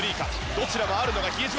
どちらもあるのが比江島！